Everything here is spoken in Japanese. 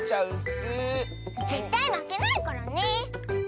ぜったいまけないからね！